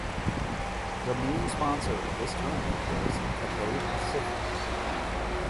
The main sponsor of this tournament was Cathay Pacific.